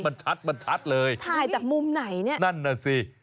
ถ่ายจากมุมไหนเนี่ยนั่นน่ะสิ